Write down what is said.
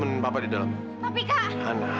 soalnya saat itu aku ngerasa